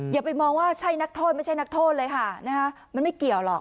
อย่าไปมองว่าใช่นักโทษไม่ใช่นักโทษเลยค่ะมันไม่เกี่ยวหรอก